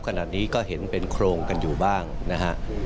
ขณะนี้ก็เห็นเป็นโครงกันอยู่บ้างนะฮะ